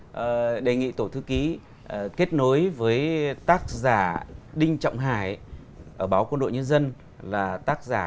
tôi đề nghị tổ thư ký kết nối với tác giả đinh trọng hải ở báo quân đội nhân dân là tác giả